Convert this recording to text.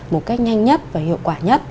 một cách nhanh nhất và hiệu quả nhất